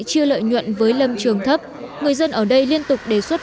chia lợi nhuận với lâm trường thấp người dân ở đây liên tục đề xuất